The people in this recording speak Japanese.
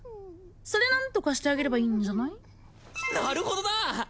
それ何とかしてあげればいいんじゃないなるほどな！